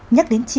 nhắc đến chị